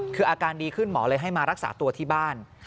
คืออาการดีขึ้นหมอเลยให้มารักษาตัวที่บ้าน